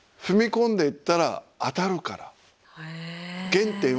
踏み込んでいったら当たるから。